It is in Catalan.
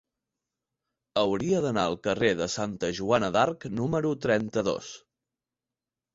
Hauria d'anar al carrer de Santa Joana d'Arc número trenta-dos.